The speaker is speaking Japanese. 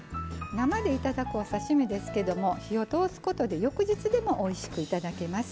生でいただくお刺身ですけれど火を通すことで翌日でもおいしくいただけます。